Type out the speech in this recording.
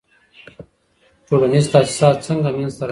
ټولنیز تاسیسات څنګه منځ ته راځي؟